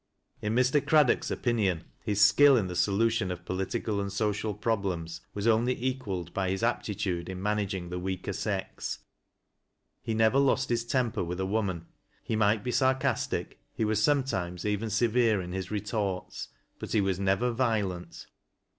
In Mr. Craddock's opinion, his skill in the solution oi political and social problems was only equaled by hie aptitude in managing the weaker sex. He never lost his temper with a woman. He might be sarcastic, he was some times even severe in his retorts, but he was never violent.